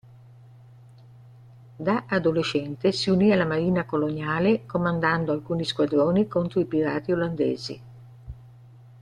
Da adolescente si unì alla marina coloniale comandando alcuni squadroni contro i pirati olandesi.